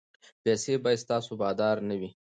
پیسې باید ستاسو بادار نه وي.